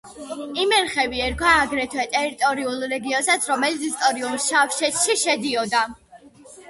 იმერხევი ერქვა აგრეთვე ტერიტორიულ რეგიონსაც, რომელიც ისტორიულ შავშეთში შედიოდა.